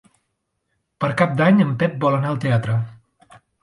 Per Cap d'Any en Pep vol anar al teatre.